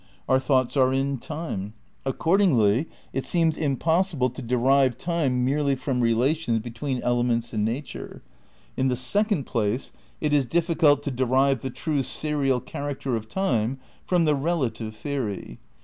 Our thoughts are in time. Accordingly it seems impossible to derive time merely from relations between elements in nature." ... "In the second place it is diflSeult to derive the true serial character of time from the relative theory.